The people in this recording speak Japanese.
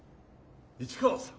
市川さん。